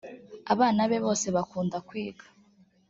abana be bose bakunda kwiga.